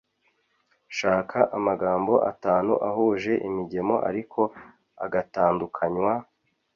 shaka amagambo atanu ahuje imigemo ariko agatandukanywa